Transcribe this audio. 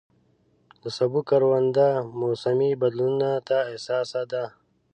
د سبو کرونده موسمي بدلونونو ته حساسه ده.